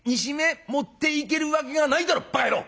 持っていけるわけがないだろばか野郎！」。